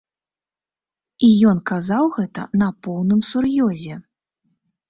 І ён казаў гэта на поўным сур'ёзе.